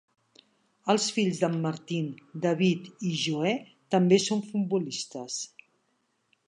Els fills d'en Martin, David i Joe, també són futbolistes.